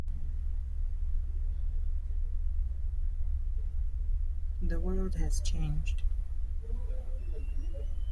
The world has changed.